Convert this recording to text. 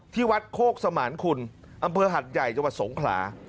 ที่วัดโคกสมานคุณอำเภอหัดใหญ่จังหวัดสงขลา